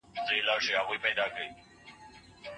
که په تعلیم کې بریا وي، نو ټولنه به اباد وي.